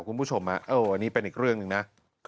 คุณผู้ชมอันนี้เป็นอีกเรื่องหนึ่งนะ